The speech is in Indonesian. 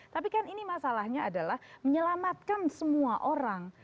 tapi kan ini masalahnya adalah menyelamatkan semua orang